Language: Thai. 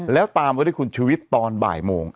แล้วตามมาด้วยคุณชุวิตตอนบ่ายโมง